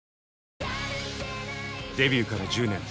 デビューから１０年。